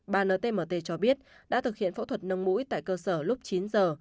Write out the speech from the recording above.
bà ntmt cho biết đã thực hiện phẫu thuật nâng mũi tại cơ sở lúc chín giờ